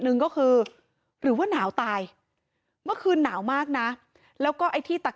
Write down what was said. หนึ่งก็คือหรือว่าหนาวตายเมื่อคืนหนาวมากนะแล้วก็ไอ้ที่ตัก